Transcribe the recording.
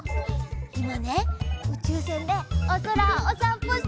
いまねうちゅうせんでおそらをおさんぽしているんだ！